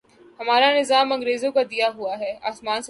ہمارا نظام انگریزوں کا دیا ہوا ہے، آسمان سے نہیں اترا۔